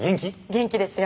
元気ですよ。